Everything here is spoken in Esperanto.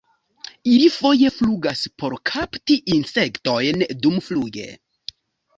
Ili foje flugas por kapti insektojn dumfluge.